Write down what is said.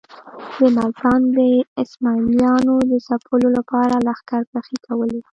د ملتان د اسماعیلیانو د ځپلو لپاره لښکرکښۍ کولې.